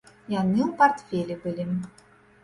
Яны ў партфелі былі.